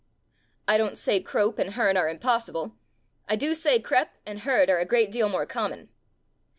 I don't say crope and hearn are impos sible. I do say crep' and heard are a irreat deal more common.